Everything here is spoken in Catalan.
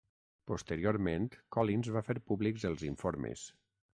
Posteriorment Collins va fer públics els informes.